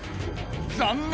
残念！